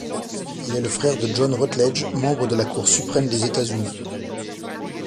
Il est le frère de John Rutledge, membre de la Cour suprême des États-Unis.